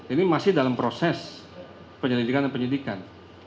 ini masih dalam proses penyelidikan dan penyidikan